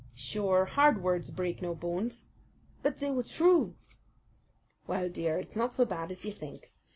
"Sure, hard words break no bones." "But they were true." "Well, dear, it's not so bad as you think.